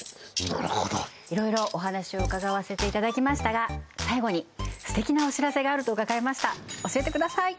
なるほどいろいろお話を伺わせていただきましたが最後に素敵なお知らせがあると伺いました教えてください